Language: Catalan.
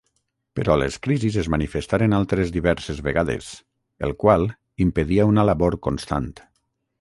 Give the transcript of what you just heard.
Però les crisis es manifestaren altres diverses vegades, el qual impedia una labor constant.